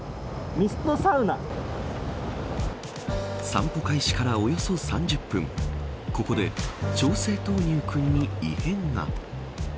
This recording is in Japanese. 散歩開始からおよそ３０分ここでちょうせい豆乳くんに異変が。